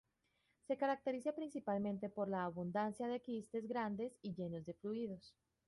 Se caracteriza principalmente por la abundancia de quistes grandes y llenos de fluidos.